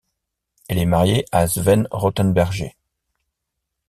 Elle est mariée à Sven Rothenberger.